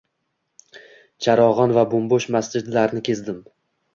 Charog‘on va bo‘m-bo‘sh masjidlarni kezdim